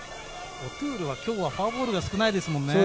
オトゥールは今日はフォアボールが少ないですもんね。